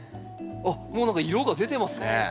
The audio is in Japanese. あっもう何か色が出てますね。